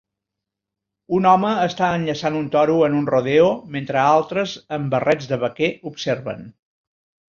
Un home està enllaçant un toro en un "rodeo" mentre altres amb barrets de vaquer observen.